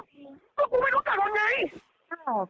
ก็กูไม่รู้จักวันไง